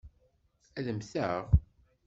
Ad mmteɣ?